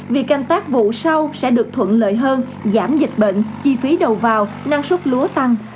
việc canh tác vụ sau sẽ được thuận lợi hơn giảm dịch bệnh chi phí đầu vào năng suất lúa tăng